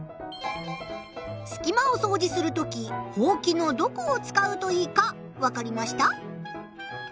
すき間をそうじするときほうきのどこを使うといいかわかりました？